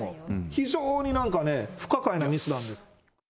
非常になんかね、不可解なミスな